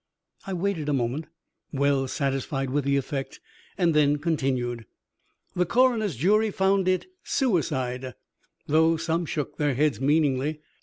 I waited a moment, well satisfied with the effect, and then continued. "The coroner's jury found it suicide, though some shook their heads meaningly.